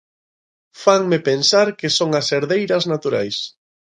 Fanme pensar que son as herdeiras naturais.